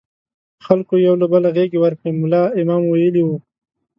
خلکو یو له بله غېږې ورکړې، ملا امام ویلي وو.